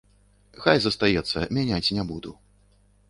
Хай застаецца, мяняць не буду.